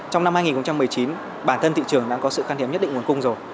trong năm hai nghìn một mươi chín bản thân thị trường đã có sự khăn hiếm nhất định nguồn cung rồi